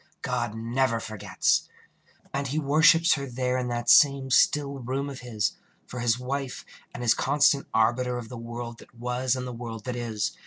God never forgets. And he worships her There in that same still room of his, For his wife, and his constant arbiter Of the world that was and the world that is.